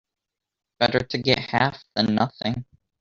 Better to get half than nothing.